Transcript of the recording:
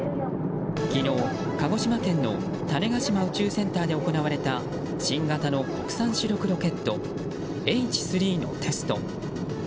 昨日、鹿児島県の種子島宇宙センターで行われた新型の国産主力ロケットＨ３のテスト。